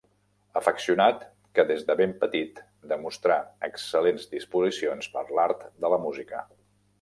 Afeccionat que des de ben petit demostrà excel·lents disposicions per l'art de la música.